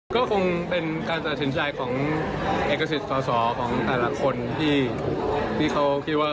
ก็คงเป็นการตัดสินใจของเอกสิทธิ์สอสอของแต่ละคนที่เขาคิดว่า